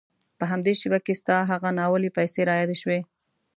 په همدې شېبه کې ستا هغه ناولې پيسې را یادې شوې.